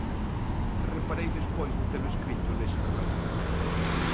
Reparei despois de telo escrito nesa relación.